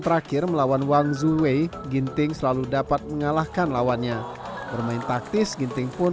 terakhir melawan wang zu wei ginting selalu dapat mengalahkan lawannya bermain taktis ginting pun